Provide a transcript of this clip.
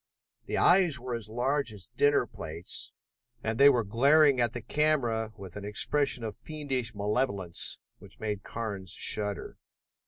The eyes were as large as dinner plates, and they were glaring at the camera with an expression of fiendish malevolence which made Carnes shudder.